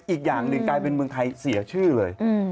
อีกอย่างหนึ่งกลายเป็นเมืองไทยเสียชื่อเลย